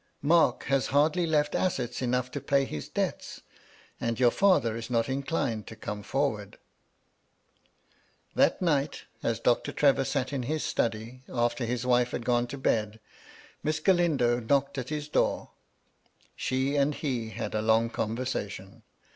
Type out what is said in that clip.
"Mark has hardly left assets enough to pay his debts, and your father is not inclined to come forward." That night, as Doctor Trevor sat in his study, aft«r 306 MY LADY LUDLOW. his wife had gone to bed, Miss Galindo knocked di his door. She and he had a long conversation.